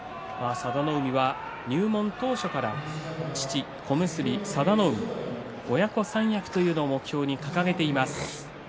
佐田の海は入門当時から父小結佐田の海親子三役というのを目標に掲げています。